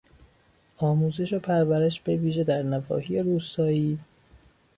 آموزش و پرورش به ویژه در نواحی روستایی...